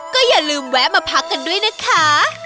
ก็อย่าลืมแวะมาพักกันด้วยนะคะ